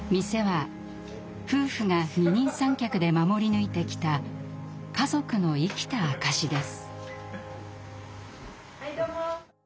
店は夫婦が二人三脚で守り抜いてきた家族の生きた証しです。